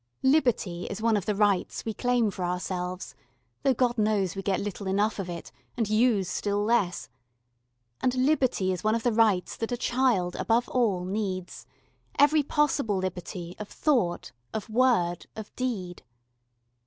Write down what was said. Liberty is one of the rights we claim for ourselves, though God knows we get little enough of it and use still less; and Liberty is one of the rights that a child above all needs every possible liberty, of thought, of word, of deed.